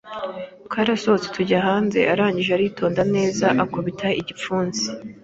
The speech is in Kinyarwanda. twarasohotse tujya hanze arangije aritonda neza akubita igipfunsi